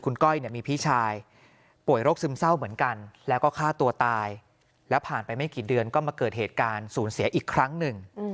แล้วผ่านไปไม่กี่เดือนก็มาเกิดเหตุการณ์สูญเสียอีกครั้งหนึ่ง